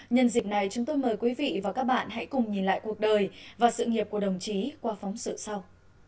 nhân dịp này chúng tôi mời quý vị và các bạn hãy cùng nhìn lại cuộc đời và sự nghiệp của đồng chí qua phóng sự sau